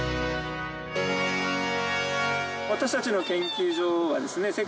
私たちの研究所はですね